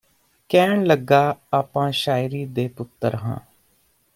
ਕਹਿਣ ਲੱਗਾ ਆਪਾਂ ਸ਼ਾਇਰੀ ਦੇ ਪੁੱਤਰ ਹਾਂ